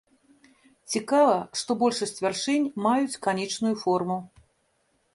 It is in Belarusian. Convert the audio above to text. Цікава, што большасць вяршынь маюць канічную форму.